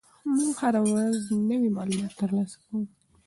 موږ هره ورځ نوي معلومات ترلاسه کوو.